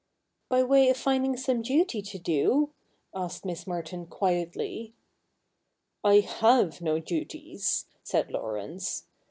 ' By way of finding some duty to do ?' asked ^liss Merton quietly. ' I have no duties,' said Laurence.